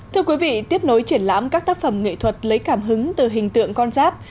thưa quý vị tiếp nối triển lãm các tác phẩm nghệ thuật lấy cảm hứng từ hình tượng con giáp